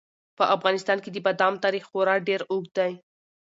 په افغانستان کې د بادامو تاریخ خورا ډېر اوږد دی.